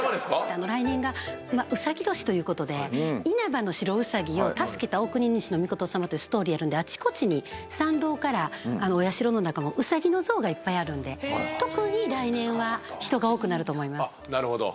来年がうさぎ年ということで因幡の素兎を助けた大国主命さまというストーリーあるんであちこちに参道からお社の中もウサギの像がいっぱいあるんで特に来年は人が多くなると思います。